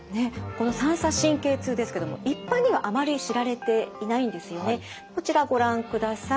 この三叉神経痛ですけども一般にはあまり知られていないんですよね。こちらご覧ください。